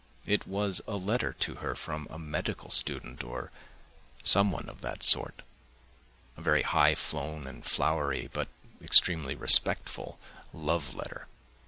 It was a letter to her from a medical student or someone of that sort—a very high flown and flowery, but extremely respectful, love letter.